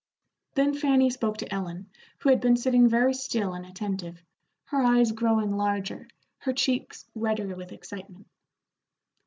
Then Fanny spoke to Ellen, who had been sitting very still and attentive, her eyes growing larger, her cheeks redder with excitement.